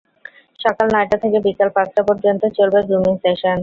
সকাল নয়টা থেকে বিকেল পাঁচটা পর্যন্ত চলবে গ্রুমিং সেশন।